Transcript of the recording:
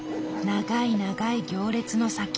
長い長い行列の先。